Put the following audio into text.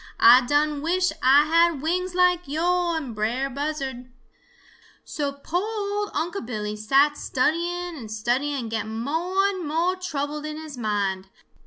Ah done wish Ah had wings like yo' and Brer Buzzard. "So po' ol' Unc' Billy sat studying and studying and getting mo' and mo' troubled in his mind.